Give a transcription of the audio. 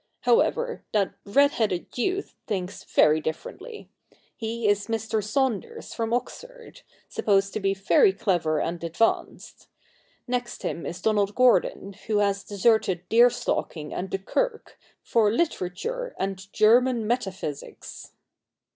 However — that red headed youth thinks very \ CH. ii] THE NEW REPUBLIC 17 differently. He is Mr. Saunders from Oxford, supposed to be very clever and advanced. Next him is Donald Gordon, who has deserted deer stalking and the Kirk, for literature and German metaphysics.'